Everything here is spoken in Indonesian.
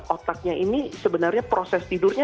otaknya ini sebenarnya proses tidurnya